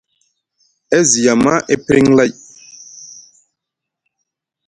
E zini yama, e priŋ lay.